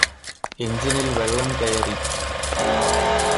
എഞ്ചിനിൽ വെള്ളം കയറി